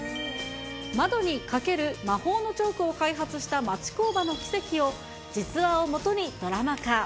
窓に描ける魔法のチョークを開発した町工場の奇跡を、実話をもとにドラマ化。